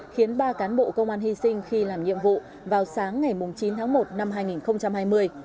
khiến ba cán bộ công an hy sinh khi làm nhiệm vụ vào sáng ngày chín tháng một năm hai nghìn hai mươi